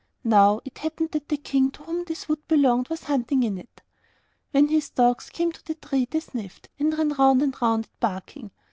Now, it happened that the king to whom this wood belonged was hunting in it. When his dogs came to the tree, they sniffed, and ran round and round it, barking.